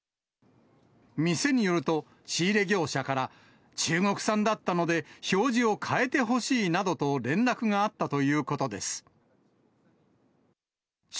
店によると、仕入れ業者から中国産だったので、表示を変えてほしいなどと連絡があったということです。